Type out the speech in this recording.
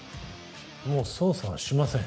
もう捜査はしません。